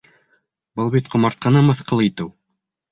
Был бит ҡомартҡыны мыҫҡыл итеү!